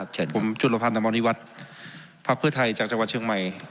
ผมจุฬภัณฑ์นามอนิวัฒน์ภักดิ์เพื่อไทยจากจังหวัดเชียงใหม่